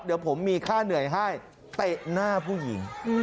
เดี๋ยวผมมีค่าเหนื่อยให้เตะหน้าผู้หญิง